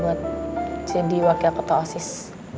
buat jadi wakil ketosis